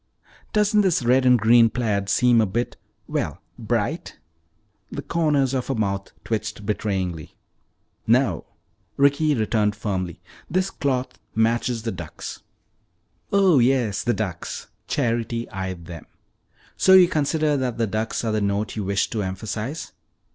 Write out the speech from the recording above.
"Doesn't this red and green plaid seem a bit well, bright?" The corners of her mouth twitched betrayingly. "No," Ricky returned firmly. "This cloth matches the ducks." "Oh, yes, the ducks," Charity eyed them. "So you consider that the ducks are the note you wish to emphasize?"